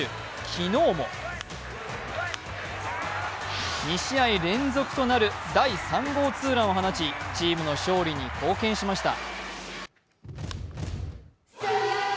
昨日も２試合連続となる第３号ツーランを放ちチームの勝利に貢献しました。